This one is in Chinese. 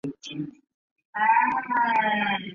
他们随即陷入热恋。